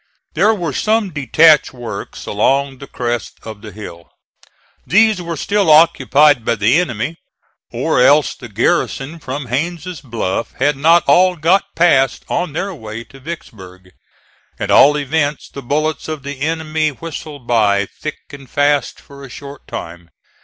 There were some detached works along the crest of the hill. These were still occupied by the enemy, or else the garrison from Haines' Bluff had not all got past on their way to Vicksburg. At all events the bullets of the enemy whistled by thick and fast for a short time.